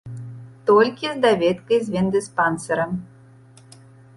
Толькі з даведкай з вендыспансэра!